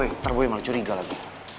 bentar boy malah curiga lagi